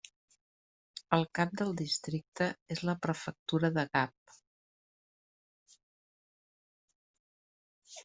El cap del districte és la prefectura de Gap.